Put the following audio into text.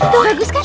tuh bagus kan